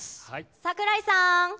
櫻井さん。